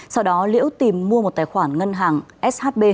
sau đó liễu tìm mua một tài khoản ngân hàng shb